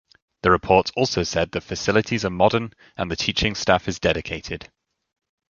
The report also said the facilities are modern and the teaching staff is dedicated.